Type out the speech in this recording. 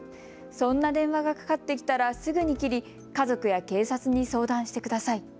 そんな電話がかかってきたらすぐに切り家族や警察に相談してください。